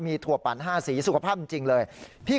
มีถั่วปั่น๕สีสุขภาพจริงเลยพี่เขาเล่าให้ฟัง